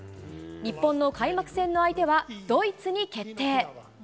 日本の開幕戦の相手はドイツに決定。